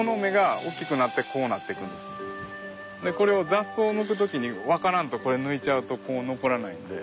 これを雑草抜く時に分からんとこれ抜いちゃうとこう残らないんで。